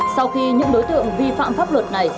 sau khi những đối tượng vi phạm pháp luật này